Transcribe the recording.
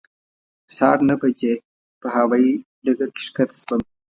سهار نهه بجې په هوایې ډګر کې ښکته شوم.